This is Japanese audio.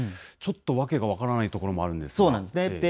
ちょっと訳が分からないところもそうなんですね。